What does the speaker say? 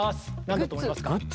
何だと思いますか？